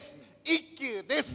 一休です